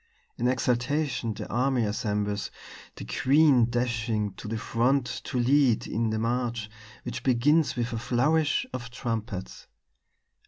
In exultation the army assembles, the queen dashing to the front to lead in the march, which begins with a flourish of trumpets.